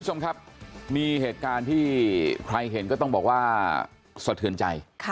คุณผู้ชมครับมีเหตุการณ์ที่ใครเห็นก็ต้องบอกว่าสะเทือนใจ